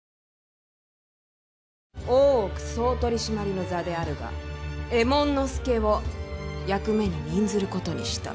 大奥総取締の座であるが右衛門佐を役目に任ずることにした。